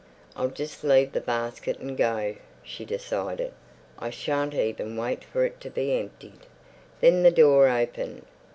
I'll just leave the basket and go, she decided. I shan't even wait for it to be emptied. Then the door opened.